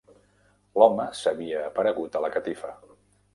L'home s'havia aparegut a la catifa.